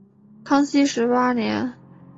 康熙十八年。